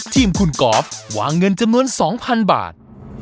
ทีมคุณกอล์ฟวางเงินจำนวน๒๐๐๐บาท